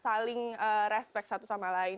saling respect satu sama lain